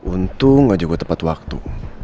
untung gak juga tepat waktu